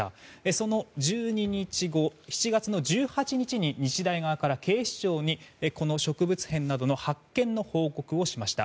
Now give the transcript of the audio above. その１２日後７月の１８日に日大側から警視庁にこの植物片などの発見の報告をしました。